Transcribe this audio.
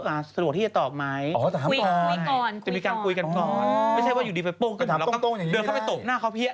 อย่างนี้ในเย็นชื่อใหม่มันก็มั้ย